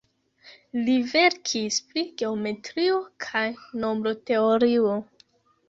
Li verkis pri geometrio kaj nombroteorio.